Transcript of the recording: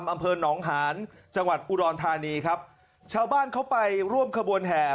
อำเภอหนองหานจังหวัดอุดรธานีครับชาวบ้านเขาไปร่วมขบวนแห่